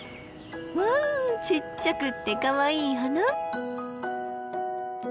わあちっちゃくってかわいい花！